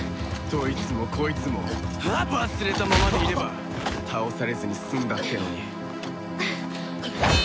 どいつもこいつも忘れたままでいれば倒されずに済んだってのに。